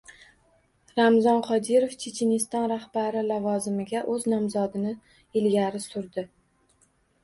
Ramzon Qodirov Checheniston rahbari lavozimiga o‘z nomzodini ilgari surdi